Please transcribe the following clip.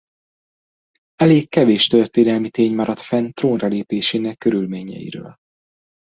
Elég kevés történelmi tény maradt fenn trónra lépésének körülményeiről.